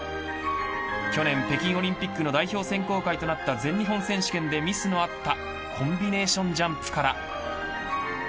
去年、北京オリンピックの代表選考会となった全日本選手権でミスのあったコンビネーションジャンプから。